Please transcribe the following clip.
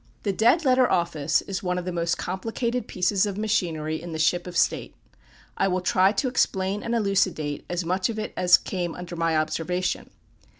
This Dead Letter Office is one of the most complicated pieces of machinery in the "ship of state." I will try to explain and elucidate as much of it as came under my observation.